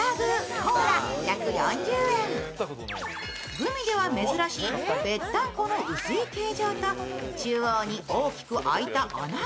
グミでは珍しいぺったんこの薄い形状と中央に大きく開いた穴。